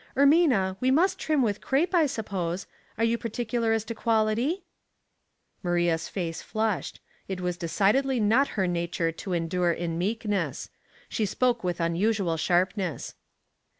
Ermina, we must trim with crape, I suppose. Are you particular as to quality ?" Maria's face flushed. It was decidedly not her nature to endure in meekness. She spoke with unusual sharpness.